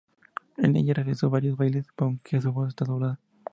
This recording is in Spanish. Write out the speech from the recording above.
En ella realiza varios bailes, aunque su voz está doblada.